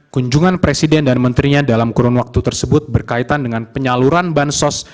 kunjungan presiden dan menterinya dalam kurun waktu tersebut berkaitan dengan penyaluran bansos